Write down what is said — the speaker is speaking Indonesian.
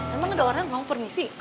emang ada orang mau permisi